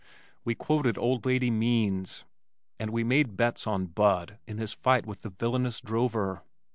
We quoted old lady Means and we made bets on "Bud" in his fight with the villainous drover.